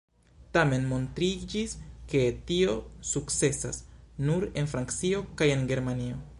Tamen montriĝis, ke tio sukcesas nur en Francio kaj en Germanio.